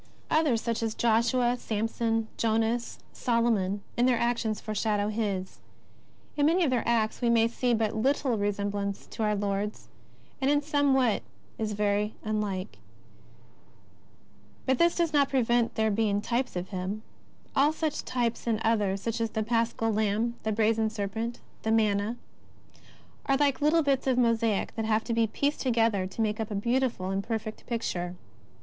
Others, such as Josue, Samson, Jonas, Solomon, in their actions foreshadow His. In many of their acts we may see but little resemblance to our Lord's, and in some what is very unlike. But this does not prevent their being types of Him. All such types, and others, such as the Paschal Lamb, the Brazen Serpent, the Manna, are like little bits of mosaic that have to be pieced together to make up a beautiful and perfect picture.